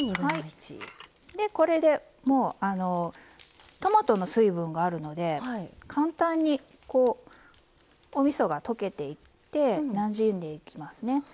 これでもうトマトの水分があるので簡単におみそが溶けていってなじんでいきますね。